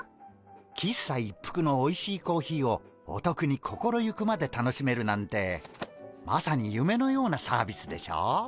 喫茶一服のおいしいコーヒーをおとくに心ゆくまで楽しめるなんてまさにゆめのようなサービスでしょう？